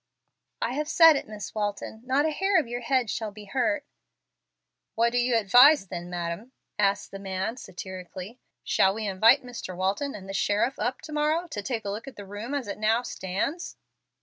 "I have said it, Miss Walton. Not a hair of your head shall be hurt." "What do you advise then, madam?" asked the man, satirically. "Shall we invite Mr. Walton and the sheriff up to morrow to take a look at the room as it now stands?"